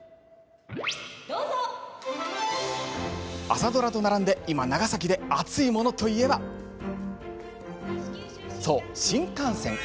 朝ドラと並んで今、長崎で熱いものといえばそう、新幹線。